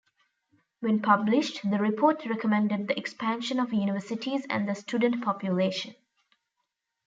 When published, the report recommended the expansion of universities and the student population.